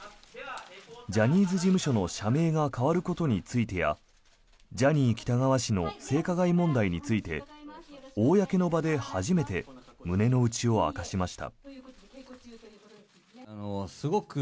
ジャニーズ事務所の社名が変わることについてやジャニー喜多川氏の性加害問題について公の場で初めて胸の内を明かしました。